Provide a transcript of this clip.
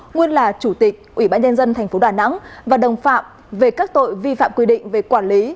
nguyên là chủ tịch ủy ban nhân dân tp đà nẵng và đồng phạm về các tội vi phạm quy định về quản lý